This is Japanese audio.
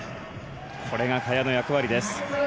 これが萱の役割です。